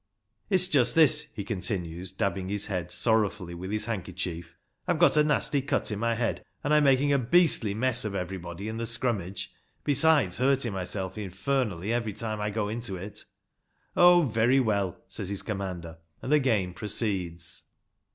"It's just this," he continues, dabbing his head sorrowfully with his handkerchief: ''I've got a nasty cut in my head, and I'm making a beastly mess of everybody in the scrummage, besides hurting myself infernally every time I go into it." " Oh, very well," says his commander ; and the game proceeds.